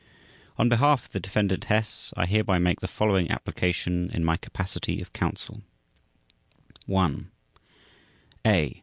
On behalf of the Defendant Hess I hereby make the following application in my capacity of counsel: I A.